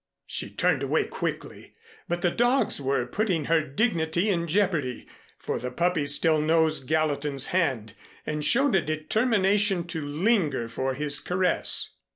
She turned away quickly, but the dogs were putting her dignity in jeopardy for the puppy still nosed Gallatin's hand and showed a determination to linger for his caress.